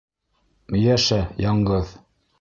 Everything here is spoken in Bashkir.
Йәшә яңғыҙ!